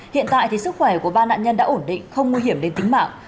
hiện tại sức khỏe của ba nạn nhân đã ổn định không nguy hiểm đến tính mạng